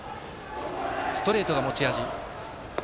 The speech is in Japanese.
ストレートが持ち味。